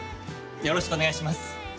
よろしくお願いします。